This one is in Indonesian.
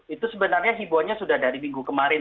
itu sebenarnya hiburannya sudah dari minggu kemarin